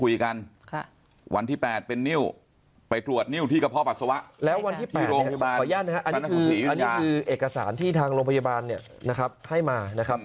แล้ววันที่๘ขออนุญาณนะครับอันนี้คือเอกสารที่ทางโรงพยาบาลให้มานะครับ